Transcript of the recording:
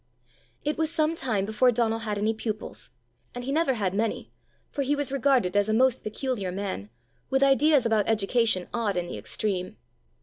It was some time before Donal had any pupils, and he never had many, for he was regarded as a most peculiar man, with ideas about education odd in the extreme.